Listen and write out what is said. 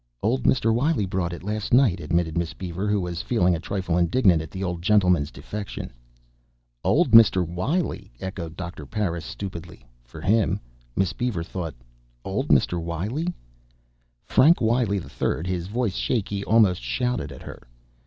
"Old Mr. Wiley brought it last night," admitted Miss Beaver, who was feeling a trifle indignant at the old gentleman's defection. "Old Mr. Wiley?" echoed Doctor Parris; stupidly, for him, Miss Beaver thought. "Old Mr. Wiley?" Frank Wiley III, his voice shaky, almost shouted at her.